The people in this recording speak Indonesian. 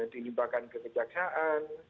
dilibatkan ke kejaksaan